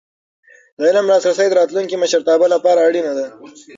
د علم لاسرسی د راتلونکي مشرتابه لپاره اړینه ده.